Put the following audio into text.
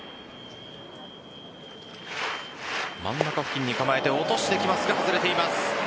真ん中付近に構えて落としてきますが外れています。